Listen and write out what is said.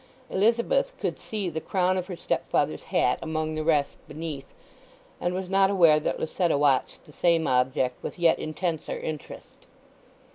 Elizabeth could see the crown of her stepfather's hat among the rest beneath, and was not aware that Lucetta watched the same object with yet intenser interest.